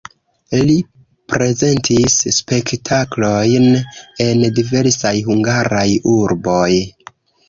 Li prezentis spektaklojn en diversaj hungaraj urboj.